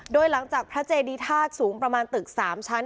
โดยหลังจากพระเจดีธาตุสูงประมาณตึก๓ชั้น